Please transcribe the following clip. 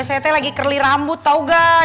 sayete lagi kerli rambut tau gak